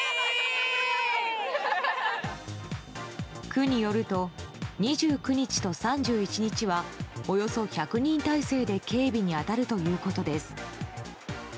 区によると２９日と３１日はおよそ１００人態勢で警備に当たるということです。